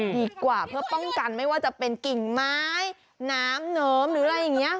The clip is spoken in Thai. กว่าเพื่อป้องกันไม่ว่าจะเป็นกิ่งไม้น้ำเหนิมหรืออะไรอย่างนี้